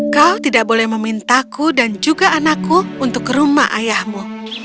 kau tidak boleh memintaku dan juga anakku untuk ke rumah ayahmu